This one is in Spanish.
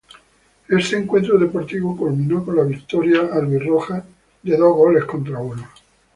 Este encuentro deportivo culminó con la victoria albirroja de dos goles contra uno.